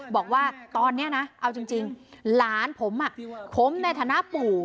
บอกว่าตอนนี้นะเอาจริงหลานผมผมในฐานะปู่